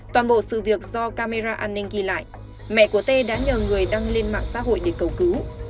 toàn bộ sự việc do camera an ninh ghi lại mẹ của tê đã nhờ người đăng lên mạng xã hội để cầu cứu